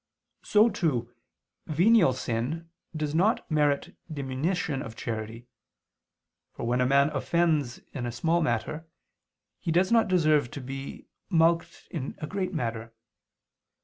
So too, venial sin does not merit diminution of charity; for when a man offends in a small matter he does not deserve to be mulcted in a great matter.